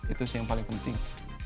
itu sih yang paling penting